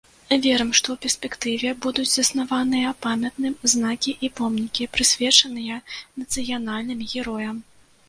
Верым, што ў перспектыве будуць заснаваныя памятным знакі і помнікі, прысвечаныя нацыянальным героям.